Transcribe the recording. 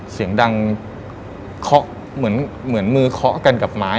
เสียงดังเ฻าะเหมือนมือเ฻ากันกับหมาย